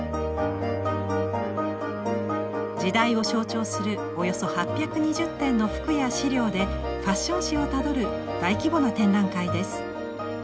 時代を象徴するおよそ８２０点の服や資料でファッション史をたどる大規模な展覧会です。